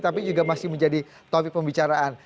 tapi juga masih menjadi topik pembicaraan